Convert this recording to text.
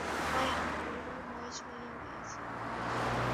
হায়, হায়, মরিবার বয়স গিয়াছে!